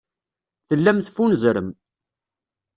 Tellam teffunzrem.